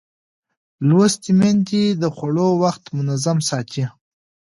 لوستې میندې د خوړو وخت منظم ساتي.